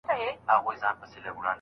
د غوايي څنګ ته یې ځان وو رسولی